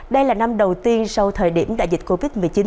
đây là năm đầu tiên sau thời điểm đại dịch covid một mươi chín